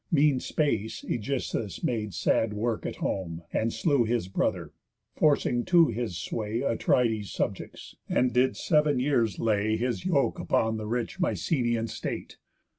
Mean space Ægisthus made sad work at home, And slew his brother, forcing to his sway Atrides' subjects, and did sev'n years lay His yoke upon the rich Mycenian state.